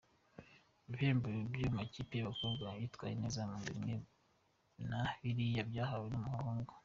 Ibihembo ku makipe y’abakobwa yitwaye neza ni bimwe na biriya byahawe abahungu.